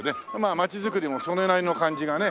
町づくりもそれなりの感じがね